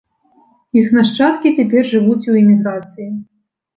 Іх нашчадкі цяпер жывуць у эміграцыі.